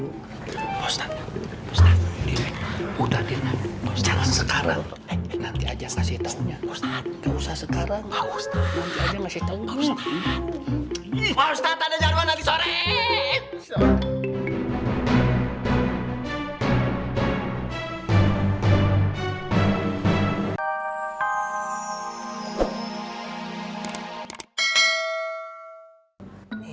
ustadz ada jaruan nanti sore